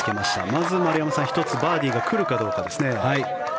まず丸山さん１つバーディーが来るかどうか。